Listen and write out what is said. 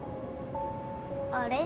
あれ？